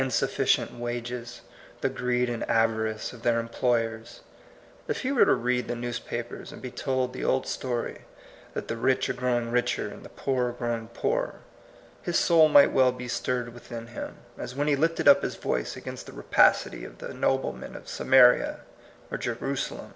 sufficient wages, the greed and avarice of their employers ; if he were to read the newspapers, and be told the old story that the rich are growing richer and the poor are growing poorer, — his soul might well be stirred within him, as when he lifted up his voice against the rapacity of the noblemen of Samaria or Jerusalem.